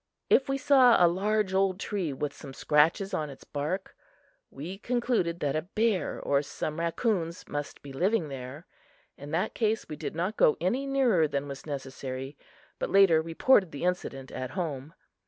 If we saw a large old tree with some scratches on its bark, we concluded that a bear or some raccoons must be living there. In that case we did not go any nearer than was necessary, but later reported the incident at home.